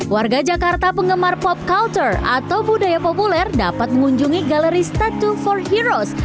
warga jakarta penggemar pop culture atau budaya populer dapat mengunjungi galeri start to for heroes